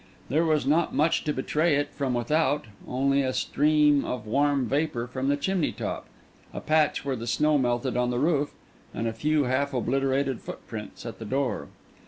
There was not much to betray it from without; only a stream of warm vapour from the chimney top, a patch where the snow melted on the roof, and a few half obliterated footprints at the door.